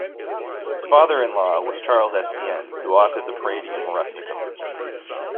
His father-in-law was Charles Estienne who authored the Praedieum rusticum.